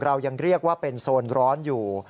เรายังเรียกว่าเป็นโซนร้อนอยู่